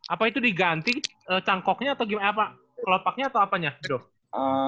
apa itu diganti cangkoknya atau kelopaknya atau apanya bro